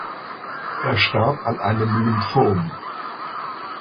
Er starb an einem Lymphom.